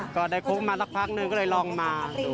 ก็ได้คุกมาสักพักหนึ่งก็เลยลองมา